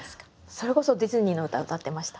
それこそディズニーの歌歌ってました。